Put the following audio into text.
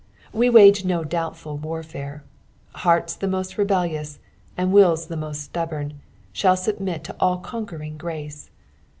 We wage no doubtful warfare. Hearts the most rebellious, and wills the most stubborn, shall submit to all conquering grace.